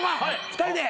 ２人で。